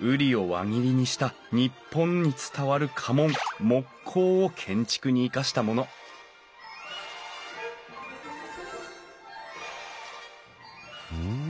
瓜を輪切りにした日本に伝わる家紋木瓜を建築に生かしたものふん。